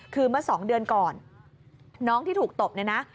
คือเมื่อสองเดือนก่อนน้องที่ถูกตบเนี่ยนะ